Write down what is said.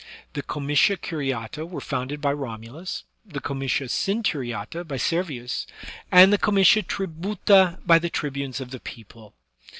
The comitia curiata were founded by Romulus, the comitia centuriata by Servius, and the comitia tributa by the tribunes of the people.